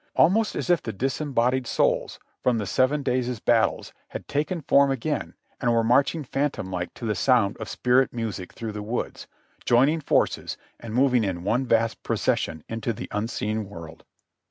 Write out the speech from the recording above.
Almost as if the disembodied souls from the Seven Days' Battles had taken form again, and were marching phantom like to the sound of spirit music through the woods, joining forces and moving in one vast procession into the unseen world.